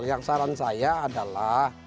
yang saran saya adalah